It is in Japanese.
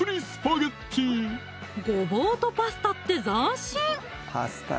ごぼうとパスタって斬新！